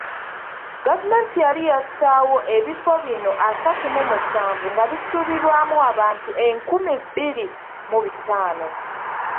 Gavumenti yali yassaawo ebifo bino asatu mu musanvu nga bisuubirwamu abantu enkumi bbiri mu bitaano.